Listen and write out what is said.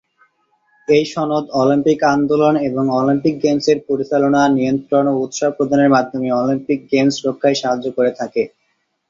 এই সনদ অলিম্পিক আন্দোলন এবং অলিম্পিক গেমসের পরিচালনা, নিয়ন্ত্রণ ও উৎসাহ প্রদানের মাধ্যমে অলিম্পিক গেমস রক্ষায় সাহায্য করে থাকে।